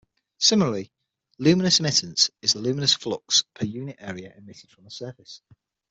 Similarly, luminous emittance is the luminous flux per unit area emitted from a surface.